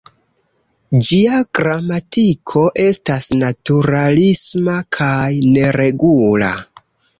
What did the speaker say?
Ĝia gramatiko estas naturalisma kaj neregula.